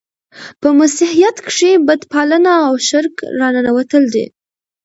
په مسیحیت کښي بت پالنه او شرک راننوتل دي.